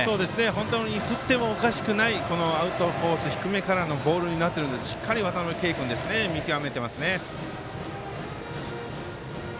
本当に振ってもおかしくないアウトコースの低めからのボールになっているんですがしっかり渡辺憩君見極めてますね。